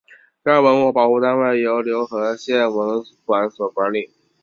该文物保护单位由柳河县文管所管理。